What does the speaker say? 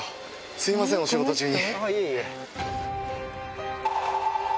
すいませんお仕事中に。